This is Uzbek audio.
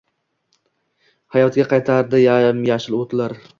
Hayotga qaytardi yam-yashil o’tlar.